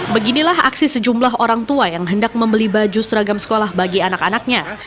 beginilah aksi sejumlah orang tua yang hendak membeli baju seragam sekolah bagi anak anaknya